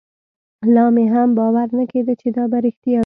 لا مې هم باور نه کېده چې دا به رښتيا وي.